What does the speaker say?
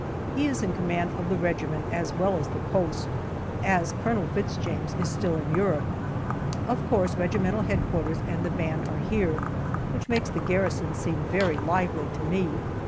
He is in command of the regiment as well as the post, as Colonel Fitz James is still in Europe. Of course regimental headquarters and the band are here, which makes the garrison seem very lively to me.